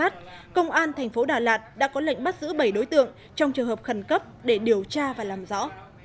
trong trường hợp khẩn cấp để điều tra và làm rõ